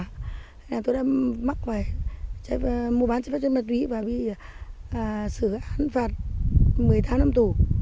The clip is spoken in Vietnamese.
thế nên tôi đã mắc hoài mua bán trái phép chất ma túy và bị xử án phạt một mươi tám năm tù